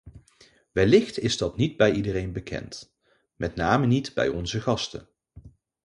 Wellicht is dat niet bij iedereen bekend, met name niet bij onze gasten.